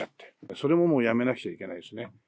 それももうやめなくちゃいけないですね。